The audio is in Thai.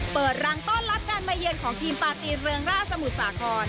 เปิดรังต้อนรับการมาเยือนของทีมปาตีนเรืองร่าสมุทรสาคร